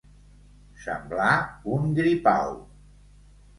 Semblar un gripau.